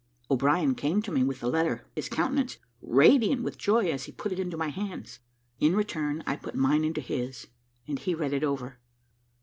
O'Brien came to me with the letter, his countenance radiant with joy as he put it into my hands. In return I put mine into his, and he read it over.